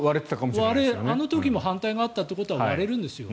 あの時も反対があったということは割れるんですよ。